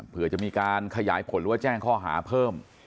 เพื่อจะมีการขยายผลหรือว่าแจ้งข้อหาเพิ่ม